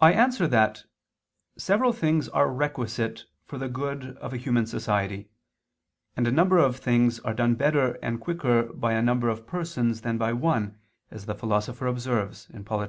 I answer that, Several things are requisite for the good of a human society: and a number of things are done better and quicker by a number of persons than by one, as the Philosopher observes (Polit.